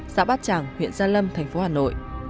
xã bát tràng huyện gia lâm thành phố hà nội